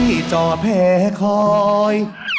ที่เจ้าแพ้คอย